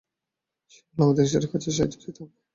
সে বলল আমাদের ইশ্বরের কাছে সাহায্য চাইতে হবে।